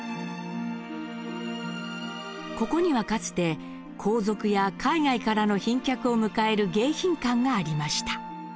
ここにはかつて皇族や海外からの賓客を迎える迎賓館がありました。